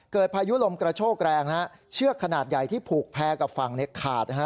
พายุลมกระโชกแรงนะฮะเชือกขนาดใหญ่ที่ผูกแพรกับฝั่งขาดนะฮะ